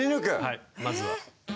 はいまずは。